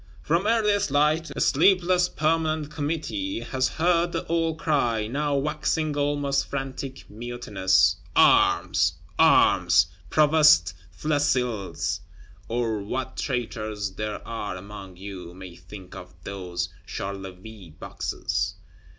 From earliest light, a sleepless Permanent Committee has heard the old cry, now waxing almost frantic, mutinous: Arms! Arms! Provost Flesselles, or what traitors there are among you, may think of those Charleville Boxes.